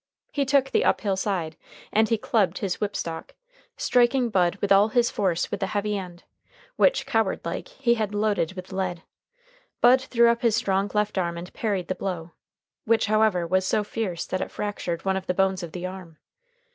He took the uphill side, and he clubbed his whip stalk, striking Bud with all his force with the heavy end, which, coward like, he had loaded with lead. Bud threw up his strong left arm and parried the blow, which, however, was so fierce that it fractured one of the bones of the arm.